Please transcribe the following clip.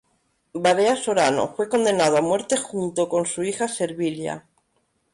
Barea Sorano fue condenado a muerte junto con su hija Servilia.